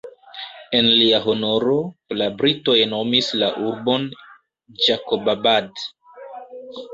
En lia honoro, la britoj nomis la urbon Ĝakobabad.